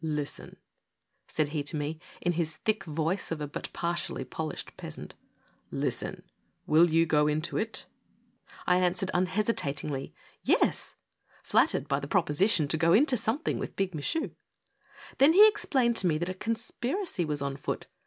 " Listen," said he to me, in his thick voice of a but partially polished peasant, " listen : will you go into it ?" I answered, unhesitatingly ; "Yes!" flattered by the proposition to go into something with Big Michu. Then he explained to me that a conspiracy was on foot.